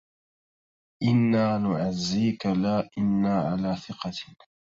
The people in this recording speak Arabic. إنا نعزيك لا إنا على ثقة